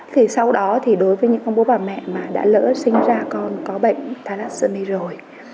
thì sau đó thì đối với những bố bà mẹ mà đã lỡ sinh ra con có bệnh thalassomy rồi